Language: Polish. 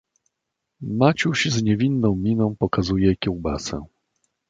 "Maciuś z niewinną mina, pokazuje kiełbasę."